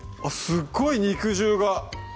すっごい肉汁が！